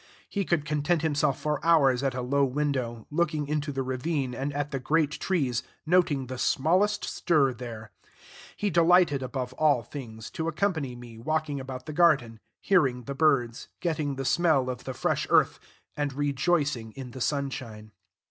He could content himself for hours at a low window, looking into the ravine and at the great trees, noting the smallest stir there; he delighted, above all things, to accompany me walking about the garden, hearing the birds, getting the smell of the fresh earth, and rejoicing in the sunshine.